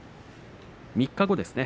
３日後ですね。